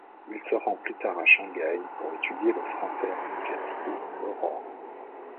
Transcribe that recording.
Il se rend plus tard à Shanghai pour étudier le français à l'université l'Aurore.